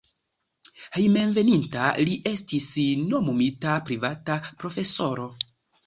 Hejmenveninta li estis nomumita privata profesoro.